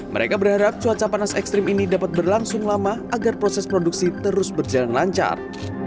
mereka berharap cuaca panas ekstrim ini dapat berlangsung lama agar proses produksi terus berjalan lancar